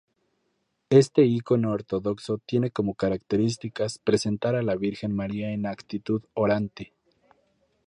Este icono ortodoxo tiene como características presentar a la virgen María en actitud orante.